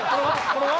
これは？